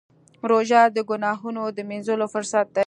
روژه د ګناهونو د مینځلو فرصت دی.